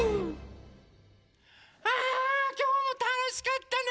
ああきょうもたのしかったね